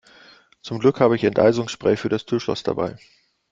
Zum Glück habe ich Enteisungsspray für das Türschloss dabei.